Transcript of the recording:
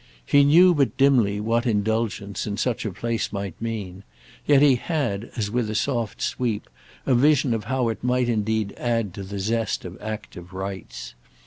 He knew but dimly what indulgence, in such a place, might mean; yet he had, as with a soft sweep, a vision of how it might indeed add to the zest of active rites.